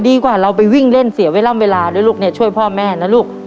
ดีกว่าเราไปวิ่งเล่นเสียเวลาด้วยลูกเนี่ยช่วยพ่อแม่นะลูก